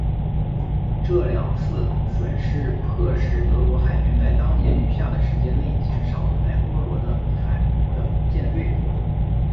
这两次损失迫使德国海军在当年余下的时间内减少了在波罗的海的舰队活动。